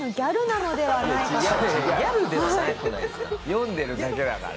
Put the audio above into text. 読んでるだけだから。